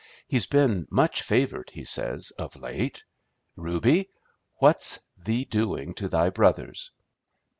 He's been 'much favored,' he says, 'of late.' Reuby, what's thee doing to thy brothers?"